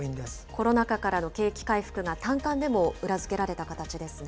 コロナ禍からの景気回復が短観でも裏付けられた形ですね。